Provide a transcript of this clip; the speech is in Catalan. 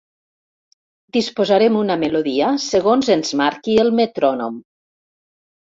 Disposarem una melodia segons ens marqui el metrònom.